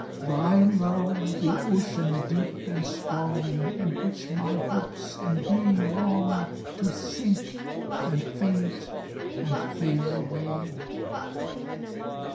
Thy love the ocean, deep and strong, In which my hopes and being longTo sink and faint and fail away?